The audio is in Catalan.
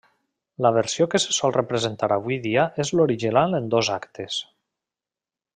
La versió que se sol representar avui dia és l'original en dos actes.